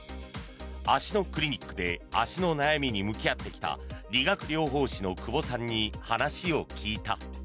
足のクリニックで足の悩みに向き合ってきた理学療法士の久保さんに話を聞いた。